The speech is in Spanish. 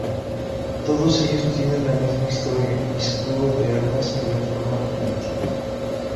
Todos ellos tienen la misma historia y escudo de armas que la forma primitiva.